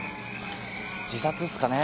自殺っすかね？